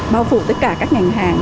bao phủ tất cả các ngành hàng